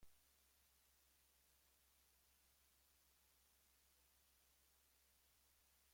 When the board becomes full, the round is finished.